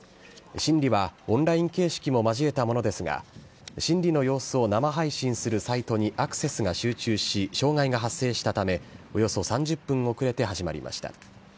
審理はオンライン形式も交えたものですが、審理の様子を生配信するサイトにアクセスが集中し、障害が発生したため、およそ３０分遅れて始まりました。